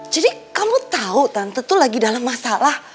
jadi kamu tau tante tuh lagi dalam masalah